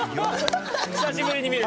久しぶりに見る。